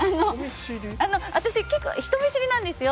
私、結構人見知りなんです。